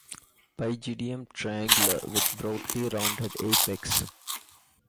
Pygidium triangular with broadly rounded apex.